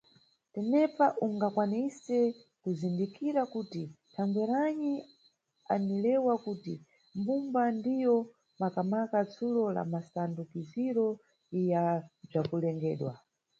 Tenepa ungakwanise kuzindikira kuti thangweranyi anilewa kuti mbumba ndiyo maka-maka tsulo la masandukiziro ya bzakulengedwa.